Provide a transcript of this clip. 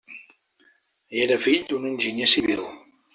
Era fill d'un enginyer civil.